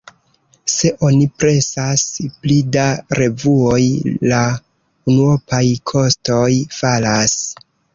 Se oni presas pli da revuoj, la unuopaj kostoj falas.